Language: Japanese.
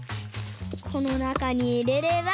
このなかにいれれば。